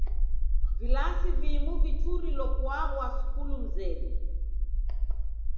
Vilasi vimu vachurilo kuaghwa skulu mzedu.